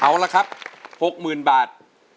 เอาละครับ๖๐๐๐บาท